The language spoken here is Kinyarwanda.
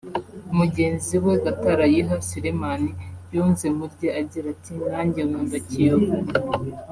Mugenzi we Gatarayiha Selemani yunze mu rye agira ati”Nanjye nkunda Kiyovu